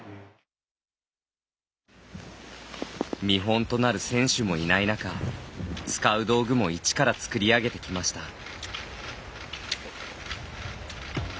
見本となる選手もいない中使う道具も１から作り上げてきました。